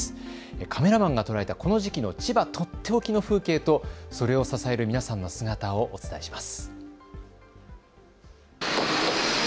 カメラマンが捉えたこの時期の千葉とっておきの風景とそれを支える皆さんの姿をお伝えします。